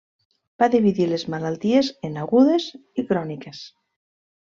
Va dividir les malalties en agudes i cròniques.